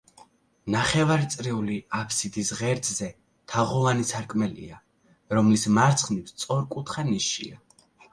ნახევარწრიული აფსიდის ღერძზე თაღოვანი სარკმელია, რომლის მარცხნივ სწორკუთხა ნიშია.